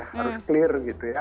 harus clear gitu ya